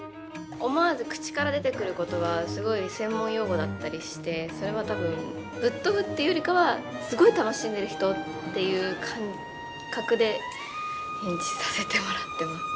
思わず口から出てくる言葉はすごい専門用語だったりしてそれは多分ぶっ飛ぶっていうよりかはすごい楽しんでる人っていう感覚で演じさせてもらってます。